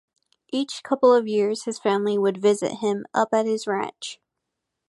Each couple of years, his family would visit him up at his ranch.